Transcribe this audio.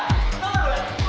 これ！